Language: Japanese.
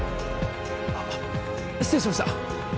あっ失礼しました。